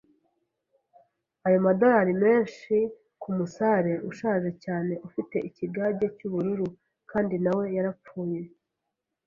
ayo madorari menshi kumusare ushaje cyane ufite ikigage cy'ubururu - kandi nawe yarapfuye? ”